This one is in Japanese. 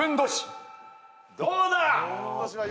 どうだ！